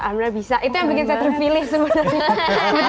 alhamdulillah bisa itu yang bikin saya terpilih sebenarnya